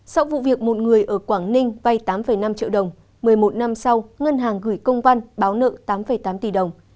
sau vụ việc một người ở quảng ninh vay tám năm triệu đồng một mươi một năm sau ngân hàng gửi công văn báo nợ tám tám tỷ đồng